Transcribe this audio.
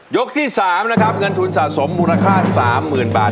ที่๓นะครับเงินทุนสะสมมูลค่า๓๐๐๐บาท